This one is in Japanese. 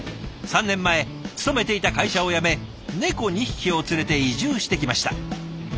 ３年前勤めていた会社を辞め猫２匹を連れて移住してきました。